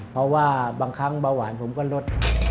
เพราะว่าบางครั้งเบาหวานผมก็ลด